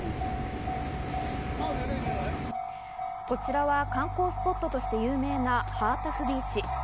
こちらは観光スポットとして有名なハアタフビーチ。